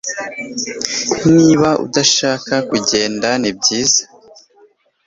Niba udashaka kugenda nibyiza